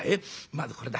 まずこれだ。